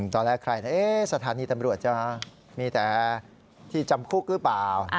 ตอนแรกใครสถานีตำรวจจะมีแต่ที่จำคุกหรือเปล่า